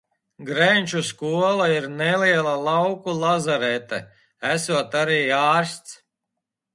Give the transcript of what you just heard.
Grenču skolā ir neliela lauku lazarete, esot arī ārsts.